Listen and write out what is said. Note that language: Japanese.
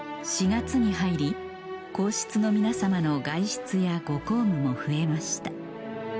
４月に入り皇室の皆さまの外出やご公務も増えました